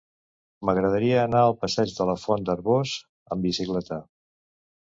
M'agradaria anar al passeig de la Font d'Arboç amb bicicleta.